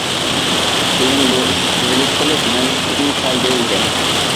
كېيىن بۇ ئىشى سېزىلىپ قېلىپ مەنسىپىدىن قالدۇرۇلدى.